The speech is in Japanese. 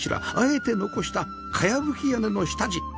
あえて残した茅葺き屋根の下地